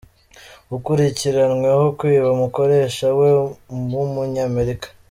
Akurikiranweho kwiba umukoresha we w’Umunyamerika